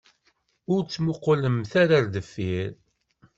Ur ttmuqqulemt ara ɣer deffir.